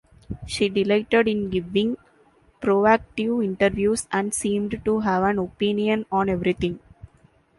She delighted in giving provocative interviews and seemed to have an opinion on everything.